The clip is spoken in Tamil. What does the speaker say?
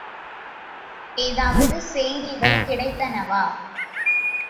ஏதாவது செய்திகள் கிடைத்தனவா?